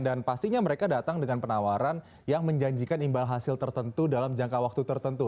dan pastinya mereka datang dengan penawaran yang menjanjikan imbal hasil tertentu dalam jangka waktu tertentu